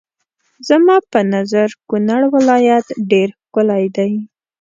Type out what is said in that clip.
زما په نظر کونړ ولايت ډېر ښکلی دی.